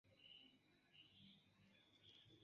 La princo sentis sin ĝenata en ĉeesto de Morozov.